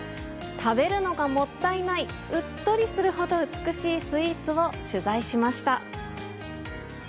食べるのがもったいない、うっとりするほど美しいスイーツを取材しました。